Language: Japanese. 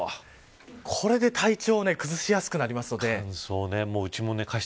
これで体調を崩しやすくなりますので。